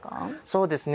そうですね